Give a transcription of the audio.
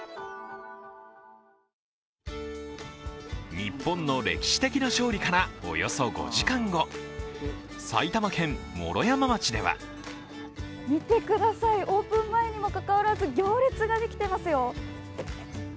日本の歴史的な勝利からおよそ５時間後、埼玉県毛呂山町では見てください、オープン前にもかかわらず行列ができていますよ。